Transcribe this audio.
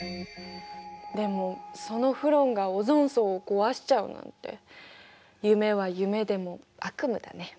でもそのフロンがオゾン層を壊しちゃうなんて夢は夢でも悪夢だね。